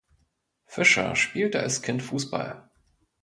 Fischer spielte als Kind Fußball.